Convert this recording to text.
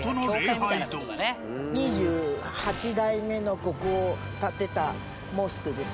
２８代目の国王が建てたモスクです。